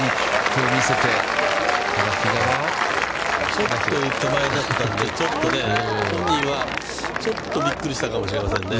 ちょっと手前だったんで、本人はちょっとびっくりしたかもしれませんね。